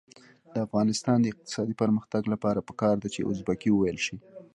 د افغانستان د اقتصادي پرمختګ لپاره پکار ده چې ازبکي وویل شي.